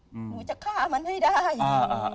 หนูจะฆ่ามันให้ได้อ่า